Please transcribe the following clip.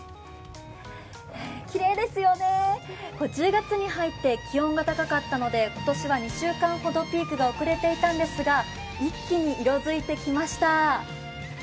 きれいですよね、１０月に入って気温が高かったので今年は２週間ほどピークが遅れていたんですが一気に色づいてきました。